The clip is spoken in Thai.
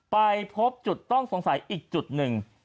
ไปพบจุดต้องสงสัยอีกจุดหนึ่ง